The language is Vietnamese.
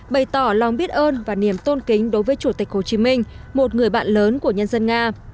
bày tỏ lòng biết ơn và niềm tôn kính đối với chủ tịch hồ chí minh một người bạn lớn của nhân dân nga